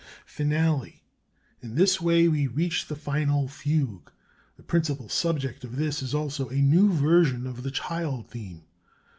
"[FINALE] "In this way we reach the final Fugue. The principal subject of this is also a new version of the child theme.